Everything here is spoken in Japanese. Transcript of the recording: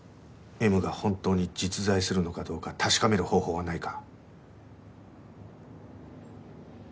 Ｍが本当に実在するのかどうか確かめる方法はないか？